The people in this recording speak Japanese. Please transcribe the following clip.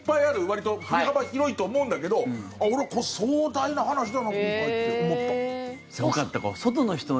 わりと振り幅広いと思うんだけど俺、壮大な話だな今回って思った。